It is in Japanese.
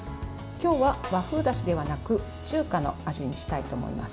今日は和風だしではなく中華の味にしたいと思います。